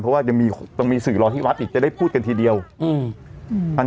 เพราะว่ายังมีต้องมีสื่อรอที่วัดอีกจะได้พูดกันทีเดียวอืม